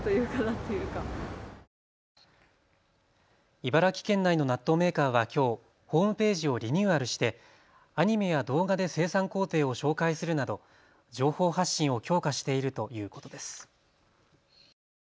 茨城県内の納豆メーカーはきょうホームページをリニューアルしてアニメや動画で生産工程を紹介するなど情報発信を強化しているということです。